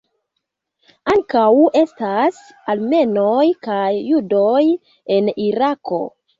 Ankaŭ estas armenoj kaj judoj en Irako.